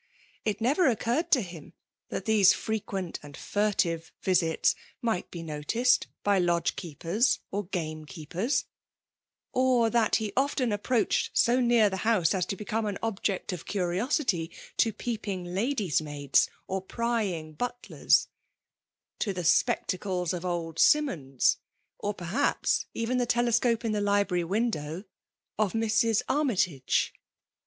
It never ecenmred f o him tiiat these frequent and ibitive visits might be noticed by lodge keepera or game^keepers ; or that he often approadied so near the house as to beeooie an object d curmaity to peeping liadies* nudds> or prying butlers; — ^to the spectacles of old Simmons, or p^haps even the telescope in the libiary window of Mrs. Armytage.